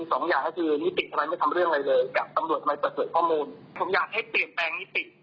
ผมอยากให้เปรียบแปลงนี่สิ